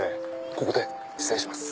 ここで失礼します。